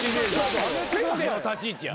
先生の立ち位置や。